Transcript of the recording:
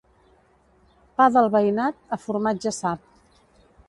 Pa del veïnat, a formatge sap.